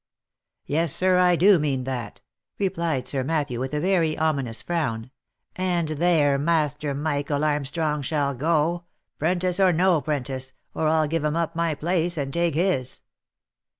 " Yes, sir, I do mean that," replied Sir Matthew with a very ominous frown, " and there Master Michael Armstrong shall go, 'pren tice or no 'prentice, or I'll give him up my place, and take his."